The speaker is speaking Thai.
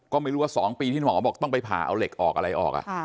ก็ไม่รู้ว่า๒ปีที่หมอบอกต้องไปผ่าเอาเหล็กออกอะไรออก